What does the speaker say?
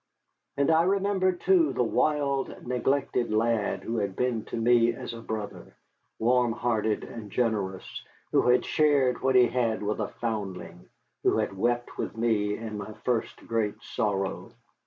And I remembered, too, the wild, neglected lad who had been to me as a brother, warm hearted and generous, who had shared what he had with a foundling, who had wept with me in my first great sorrow.